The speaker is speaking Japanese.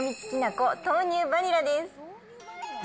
きなこ豆乳バニラです。